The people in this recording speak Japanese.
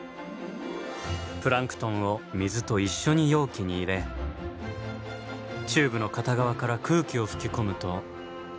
プランクトンを水と一緒に容器に入れチューブの片側から空気を吹き込むと。